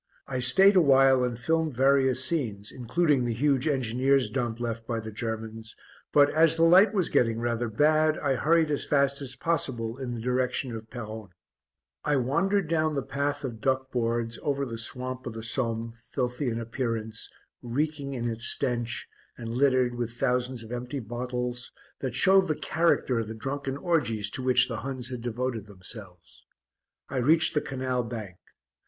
I stayed awhile and filmed various scenes, including the huge engineers' dump left by the Germans, but, as the light was getting rather bad, I hurried as fast as possible in the direction of Peronne. I wandered down the path of duck boards, over the swamp of the Somme, filthy in appearance, reeking in its stench, and littered with thousands of empty bottles, that showed the character of the drunken orgies to which the Huns had devoted themselves. I reached the canal bank.